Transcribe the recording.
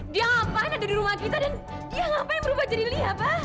dia ngapain ada di rumah kita dan dia ngapain berubah jadi liha pa